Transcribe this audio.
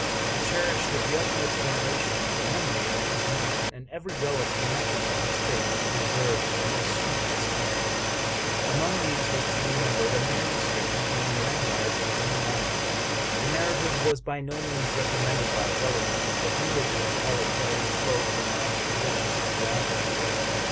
I cherished with the utmost veneration the memory of this man, and every relic connected with his fate was preserved with the most scrupulous care. Among these was to be numbered a manuscript containing memoirs of his own life. The narrative was by no means recommended by its eloquence ; but neither did all its value flow from my relation ship to the author.